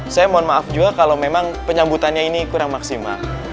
saya mohon maaf juga kalau memang penyambutannya ini kurang maksimal